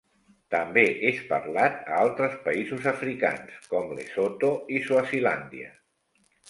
També és parlat a altres països africans, com Lesotho i Swazilàndia.